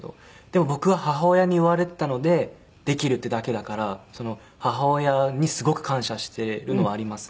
でも僕は母親に言われていたのでできるっていうだけだから母親にすごく感謝しているのはありますね。